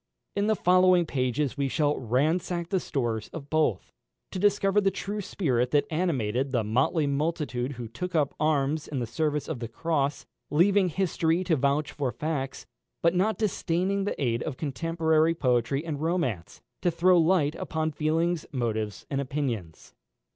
In the following pages we shall ransack the stores of both, to discover the true spirit that animated the motley multitude who took up arms in the service of the cross, leaving history to vouch for facts, but not disdaining the aid of contemporary poetry and romance, to throw light upon feelings, motives, and opinions.